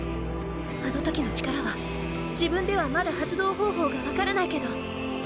あの時の力は自分ではまだ発動方法が分からないけど